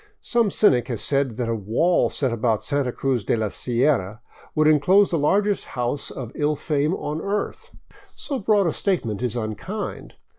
Some cynic has said that a wall set about Santa Cruz de la Sierra would enclose the largest house of Ill fame on earth. So broad a statement Is unkind.